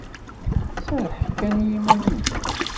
Serreḥ kan i yiman-nnek.